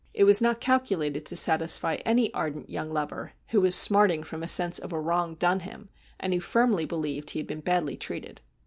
It was not calcu lated to satisfy any ardent young lover who was smarting from a sense of a wrong done him, and who firmly believed he had been badly treated.